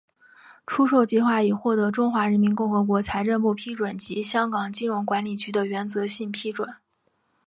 出售计划已获得中华人民共和国财政部批准及香港金融管理局的原则性批准。